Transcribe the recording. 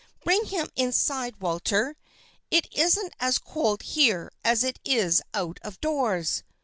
Bring him inside, Walter. It isn't as cold here as it is out of doors.